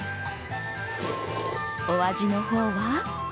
お味の方は？